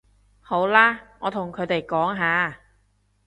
好啦，我同佢哋講吓